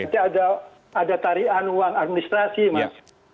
nanti ada tarian uang administrasi mas